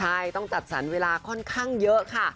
ใช่ต้องจัดสรรเวลาค่อนข้างเยอะค่ะ